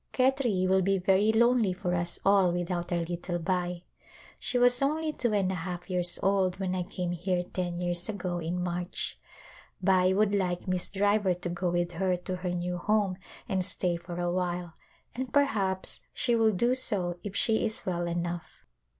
Khetri will be very lonely for us all without our little Bai. She was only two and a half years old when I came here ten years ago in March. Bai would like Miss Driver to go with her to her new home and stay for a while and perhaps she will do so if she is well enough.